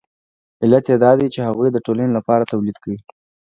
علت یې دا دی چې هغوی د ټولنې لپاره تولید کوي